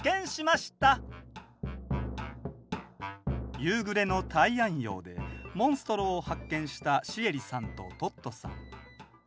夕暮れのたいあん洋でモンストロを発見したシエリさんとトットさん。